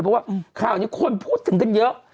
เพราะว่าข่าวนี้คนพูดถึงกันเยอะ